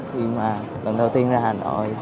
khi mà lần đầu tiên ra hà nội